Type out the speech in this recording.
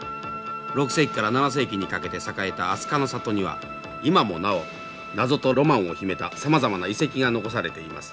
６世紀から７世紀にかけて栄えた飛鳥の里には今もなお謎とロマンを秘めたさまざまな遺跡が残されています。